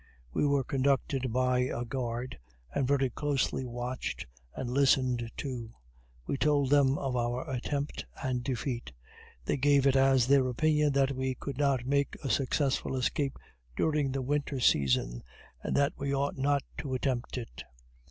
We were conducted by a guard, and very closely watched and listened to. We told them of our attempt and defeat. They gave it as their opinion that we could not make a successful escape during the winter season, and that we ought not to attempt it.